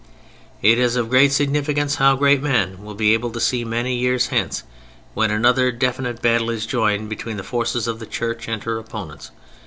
It is of great significance; how great, men will be able to see many years hence when another definite battle is joined between the forces of the Church and her opponents.